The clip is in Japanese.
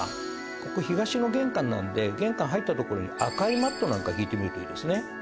ここ東の玄関なんで玄関入った所に赤いマットなんか敷いてみるといいですね。